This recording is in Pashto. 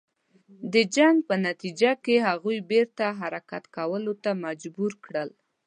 د جنګ په نتیجه کې هغوی بیرته حرکت کولو ته مجبور کړل.